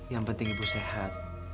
yang penting ibu sehat